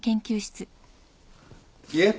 いえ。